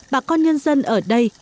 bà con nhân dân ở đây